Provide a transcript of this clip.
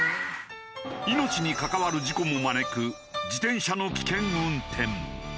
命に関わる事故も招く自転車の危険運転。